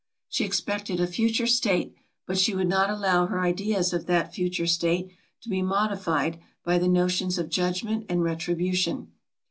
She expected a future state; but she would not allow her ideas of that future state to be modified by the notions of judgment and retribution.